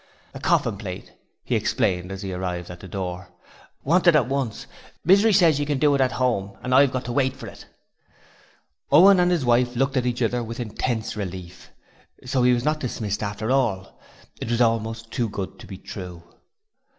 'A corfin plate,' he explained as he arrived at the door. 'Wanted at once Misery ses you can do it at 'ome, an' I've got to wait for it.' Owen and his wife looked at each other with intense relief. So he was not to be dismissed after all. It was almost too good to be true.